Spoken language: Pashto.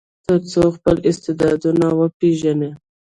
تر څو خپل استعدادونه وپیژني.